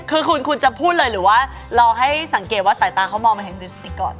คือคุณคุณจะพูดเลยหรือว่ารอให้สังเกตว่าสายตาเขามองมาเห็นดิวสติกก่อน